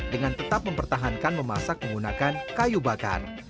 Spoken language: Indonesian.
dengan tetap mempertahankan memasak menggunakan kayu bakar